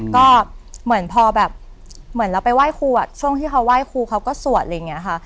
ก็เหมือนพอแบบเหมือนเราไปไหว้ครูช่วงที่เขาไหว้ครูเขาก็สวดอะไรอย่างนี้ค่ะ